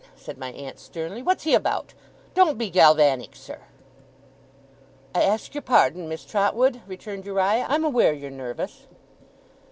said my aunt, sternly, 'what's he about? Don't be galvanic, sir!' 'I ask your pardon, Miss Trotwood,' returned Uriah; 'I'm aware you're nervous.